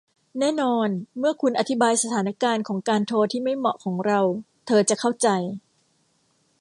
แน่นอนเมื่อคุณอธิบายสถานการณ์ของการโทรที่ไม่เหมาะของเราเธอจะเข้าใจ